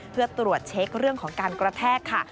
เพื่อตรวจเช็คเรื่องของการกระแทกค่ะ